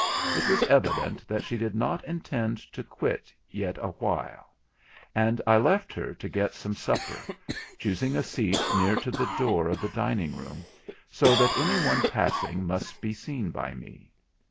It was evident that she did not intend to quit yet awhile; and I left her to get some supper, choosing a seat near to the door of the dining room, so that any one passing must be seen by me.